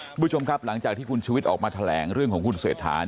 คุณผู้ชมครับหลังจากที่คุณชุวิตออกมาแถลงเรื่องของคุณเศรษฐา